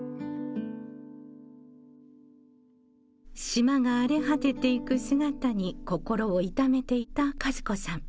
島が荒れ果てていく姿に心を痛めていた和子さん。